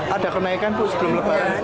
ada kenaikan sebelum lebaran